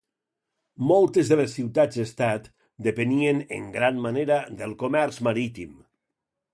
Moltes de les ciutats-estat depenien en gran manera del comerç marítim.